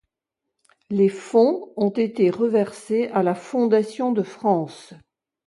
Les fonds ont été reversés à la Fondation de France.